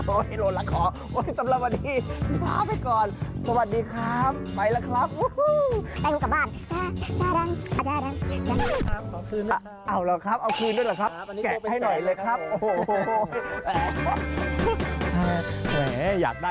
โอ้โฮสี่ห้าหมื่น